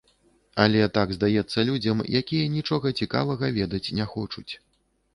Але так здаецца людзям, якія нічога цікавага ведаць не хочуць.